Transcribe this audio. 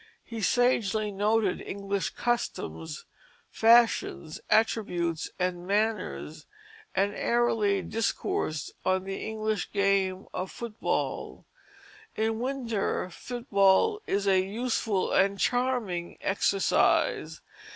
He sagely noted English customs, fashions, attributes, and manners; and airily discoursed on the English game of football: "In winter football is a useful and charming exercise.